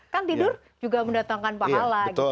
kan tidur juga mendatangkan pahala gitu